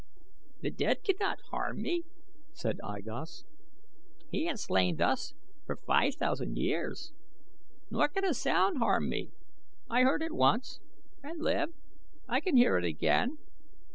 "The dead cannot harm me," said I Gos. "He has lain thus for five thousand years. Nor can a sound harm me. I heard it once and live I can hear it again.